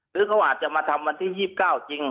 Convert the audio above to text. หรือเขาอาจจะมาทำวันที่๒๙จริง